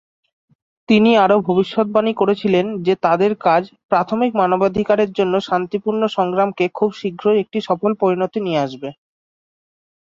তিনি আরও ভবিষ্যদ্বাণী করেছিলেন যে তাদের কাজ "প্রাথমিক মানবাধিকারের জন্য শান্তিপূর্ণ সংগ্রামকে খুব শীঘ্রই একটি সফল পরিণতি নিয়ে আসবে।"